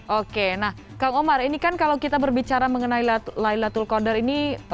oke nah kang omar ini kan kalau kita berbicara mengenai laylatul qadar ini